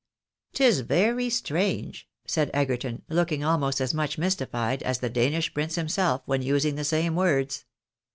" 'Tis very strange," said Egerton, looking almost as much mystified as the Danish prince himself when using the same words.